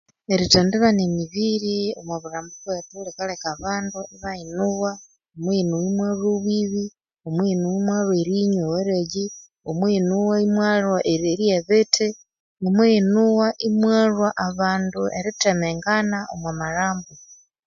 Erithendibana emibiiri omwa bulhambo bwethu likaleka abandu ibayinuwa omwiyinugha imwalhwa obwibi omwiyinugha imwalhwa erinywa ewaragi omwiyinugha imwalhwa ererirya ebithi omwiyinugha imwalhwa abandu erithemengana omwa malhambo